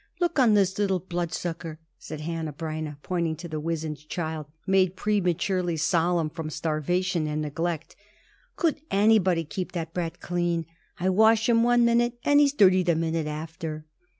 Look on this little blood sucker," said Hanneh Breineh, pointing to the wizened child, made prematurely solemn from starvation and neglect. "Could anybody keep that brat clean? I wash him one minute, and he is dirty the minute after."